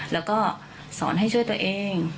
แล้วก็สอนให้ช่วยตัวเอง